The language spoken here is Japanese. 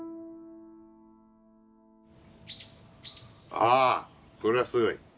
ああこれはすごい。